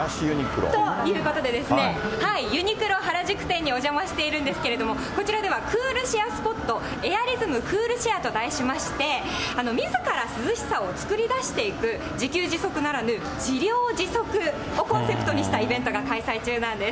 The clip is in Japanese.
ということで、ユニクロ原宿店にお邪魔してるんですけれども、こちらではクールシェアスポット、エアリズムクールシェアと題しまして、みずから涼しさを作り出していく、自給自足ならぬ、自涼自足をコンセプトにしたイベントが開催中なんです。